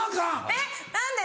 えっ何で？